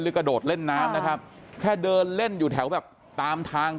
หรือกระโดดเล่นน้ำแค่เดินเล่นอยู่แถวตามทาง